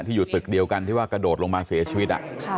อยู่ตึกเดียวกันที่ว่ากระโดดลงมาเสียชีวิต